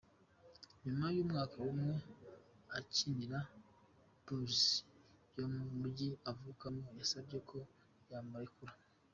Nyuma y’umwaka umwe akinira Bulls yo mu Mujyi avukamo, yasabye ko yamurekura.